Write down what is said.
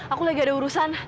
aku lagi ada urusan